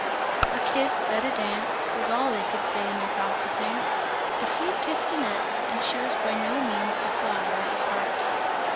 A kiss, at a dance, was all they could say in their gossipping, but he had kissed Annette, and she was by no means the flower of his heart.